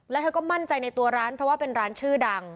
แล้วเธอก็มั่นใจในตัวร้านเพราะว่าเป็นร้านชื่อดัง